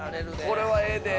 これはええで。